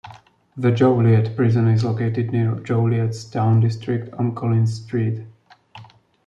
The Joliet Prison is located near Joliet's downtown district on Collins Street.